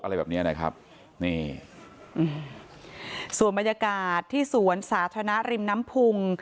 อะไรแบบเนี้ยนะครับนี่อืมส่วนบรรยากาศที่สวนสาธารณะริมน้ำพุง